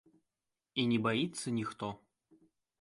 І не баіцца ніхто.